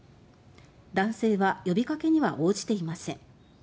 男性は呼びかけには応じていません。